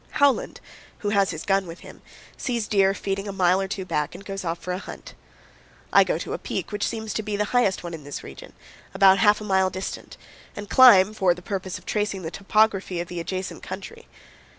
Howland, who has his gun with him, sees deer feeding a mile or two back and goes off for a hunt. I go to a peak which seems to be the highest one in this region, about half a mile distant, and climb, for the purpose of tracing the topography of the adjacent country.